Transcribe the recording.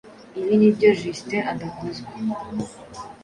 ibi nibyo Justin adakozwa.